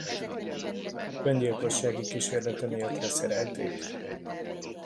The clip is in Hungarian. Öngyilkossági kísérlete miatt leszerelték.